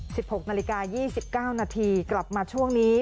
หกนาฬิกายี่สิบเก้านาทีกลับมาช่วงนี้